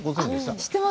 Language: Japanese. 知っています。